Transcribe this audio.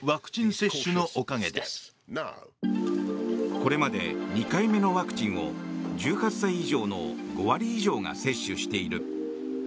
これまで２回目のワクチンを１８歳以上の５割以上が接種している。